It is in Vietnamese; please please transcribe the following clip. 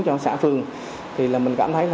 cho xã phường thì mình cảm thấy